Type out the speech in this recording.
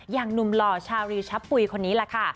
อย่างหนุ่มหล่อชารีชะปุ๋ยคนนี้แหละค่ะ